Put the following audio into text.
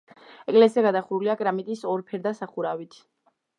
ეკლესია გადახურულია კრამიტის ორფერდა სახურავით.